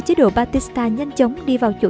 chế độ batista nhanh chóng đi vào chỗ